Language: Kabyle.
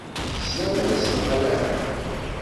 Teslam-as, neɣ ala?